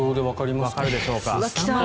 わかるでしょうか。